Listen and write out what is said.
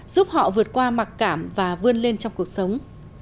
giúp họ vượt qua mặc cảm và vươn lên trong cuộc sống